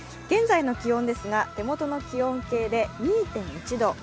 現在の気温ですが手元の気温計で２．１度。